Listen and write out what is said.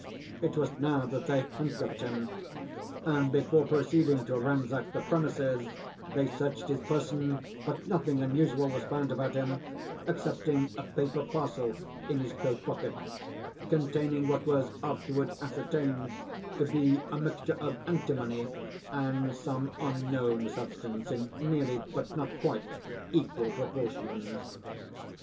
It was now that they hand cuffed him; and before proceeding to ransack the premises they searched his person, but nothing unusual was found about him, excepting a paper parcel, in his coat pocket, containing what was afterward ascertained to be a mixture of antimony and some unknown substance, in nearly, but not quite, equal proportions.